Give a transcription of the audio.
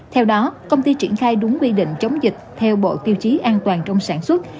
theo đó công ty triển khai đúng quy định chống dịch theo bộ tiêu chí an toàn trong sản xuất